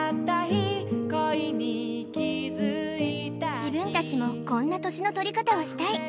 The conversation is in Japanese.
自分達もこんな年の取り方をしたい